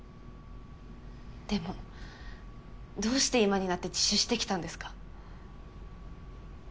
でもどうして今になって自首してきたんですか？